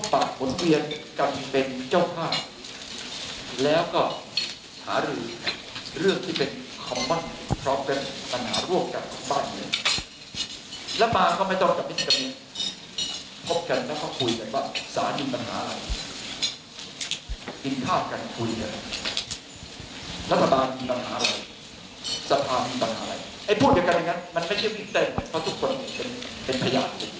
พูดเหมือนกันมันไม่ใช่ผิดเต้นเพราะทุกคนเป็นพยาบาล